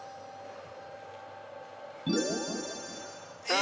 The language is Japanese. え！